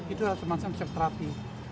itu adalah semacam seopterati